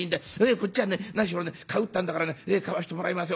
こっちは何しろね買うってんだからね買わしてもらいますよ